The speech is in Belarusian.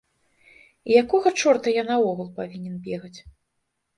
І якога чорта я наогул павінен бегаць?